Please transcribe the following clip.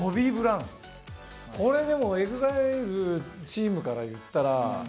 これでもＥＸＩＬＥチームからいったら。